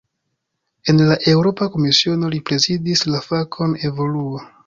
En la Eŭropa Komisiono, li prezidis la fakon "evoluo".